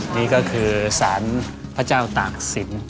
นี่ก็คือสารพระเจ้าตากศิลป์